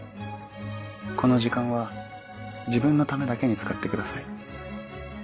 この時間は自分のためだけに使ってください